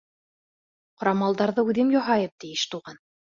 — Ҡорамалдарҙы үҙем яһайым, — ти Иштуған.